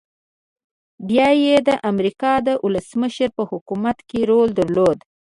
بيا يې د امريکا د ولسمشر په حکومت کې رول درلود.